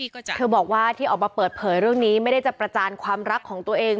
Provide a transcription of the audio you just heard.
เธอบอกว่าที่ออกมาเปิดเผยเรื่องนี้ไม่ได้จะประจานความรักของตัวเอง